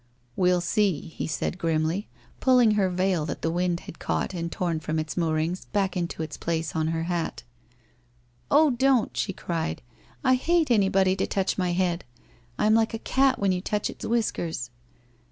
'' We'll see !' he said grimly, pulling her veil that the wind had caught and torn from its moorings, back into its place on her hat. ' Oh, don't,' she cried. ' I hate anybody to touch my head. I am like a cat when you touch its whiskers.'